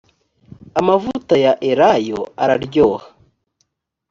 amavuta ya elayo araryoha.